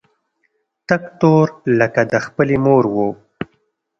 تک تور لکه د خپلې مور و.